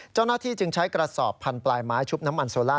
เจ้าหน้าที่จึงใช้กระสอบพันปลายไม้ชุบน้ำมันโซล่า